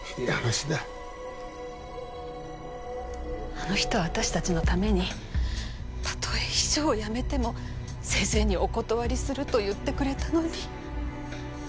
あの人は私たちのためにたとえ秘書を辞めても先生にお断りすると言ってくれたのに。